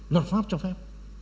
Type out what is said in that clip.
luật pháp cho phép